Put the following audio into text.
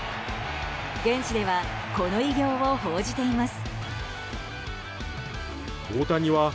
現地ではこの偉業を報じています。